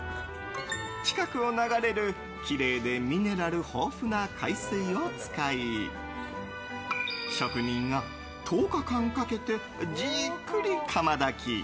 近くを流れる、きれいでミネラル豊富な海水を使い職人が１０日間かけてじっくり窯炊き。